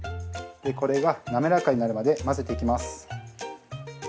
これが滑らかになるまで混ぜていきます。